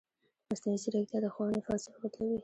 مصنوعي ځیرکتیا د ښوونې فلسفه بدلوي.